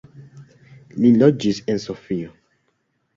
Li loĝis en Sofio.